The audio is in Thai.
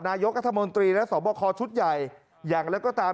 นายกราธมนตรีและสมบัติคอร์ชุดใหญ่อย่างแล้วก็ตาม